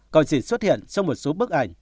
còn chỉ xuất hiện trong một số bức ảnh